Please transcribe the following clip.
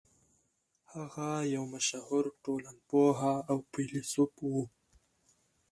هغه يو مشهور ټولنپوه او فيلسوف و.